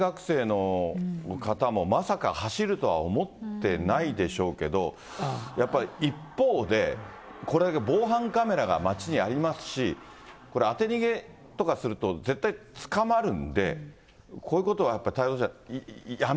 この大学生の方もまさか走るとは思ってないでしょうけど、やっぱり一方で、これが防犯カメラが街にありますし、これ、当て逃げとかすると絶対捕まるんで、こういうことはやっぱり、太蔵ちゃ